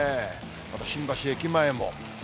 また新橋駅前も。